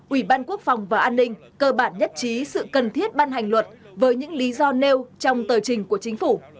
ủy ban quốc phòng và an ninh cơ bản nhất trí sự cần thiết ban hành luật với những lý do nêu trong tờ trình của chính phủ